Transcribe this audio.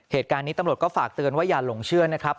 เหตุการณ์นี้ตำรวจก็ฝากเตือนว่าอย่าหลงเชื่อนะครับ